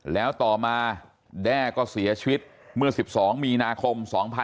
แล้วต่อมาแด้ก็เสียชีวิตเมื่อ๑๒มีนาคม๒๕๖๒